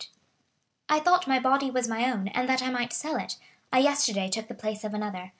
"I thought my body was my own, and that I might sell it. I yesterday took the place of another.